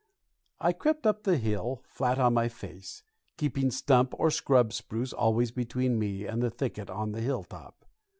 I crept up the hill flat on my face, keeping stump or scrub spruce always between me and the thicket on the hilltop.